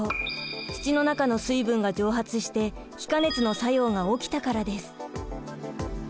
土の中の水分が蒸発して気化熱の作用が起きたからです。